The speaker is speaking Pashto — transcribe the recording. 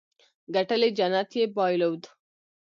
ګټلې جنت يې بايلودو.